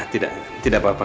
tidak tidak apa apa